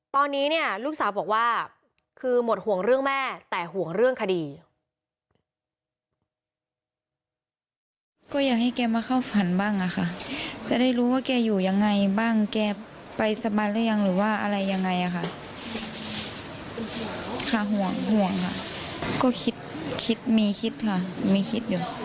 ตอนนี้เนี่ยลูกสาวบอกว่าคือหมดห่วงเรื่องแม่แต่ห่วงเรื่องคดี